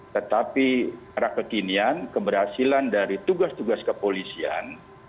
tetapi arah kekinian keberhasilan dari tugas tugas kepolisian